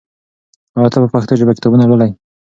آیا ته په پښتو ژبه کتابونه لولې؟